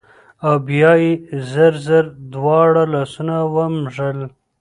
او بيا يې زر زر دواړه لاسونه ومږل